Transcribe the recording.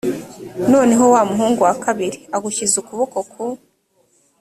noneho wa muhungu wa kabiri agushyize ukuboko ku